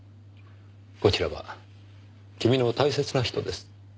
こちらは君の大切な人です。